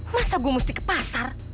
masa gue mesti ke pasar